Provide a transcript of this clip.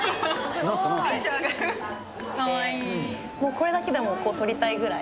これだけでも撮りたいぐらい。